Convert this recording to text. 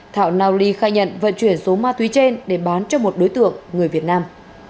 thạo nao ly khai nhận vận chuyển số ma túy trên để bán cho một đối tượng người việt nam